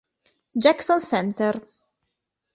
Jackson Center